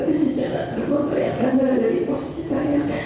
yang dapat berhenti sisa saya